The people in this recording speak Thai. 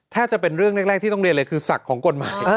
ถ้าจะเป็นเรื่องแรกที่ต้องเรียนเลยคือศักดิ์ของกฎหมาย